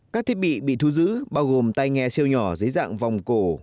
các thiết bị bị thu giữ bao gồm tay nghe siêu nhỏ dưới dạng vòng cổ